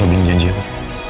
lo bingung janji apa